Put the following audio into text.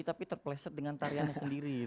tapi terpleset dengan tariannya sendiri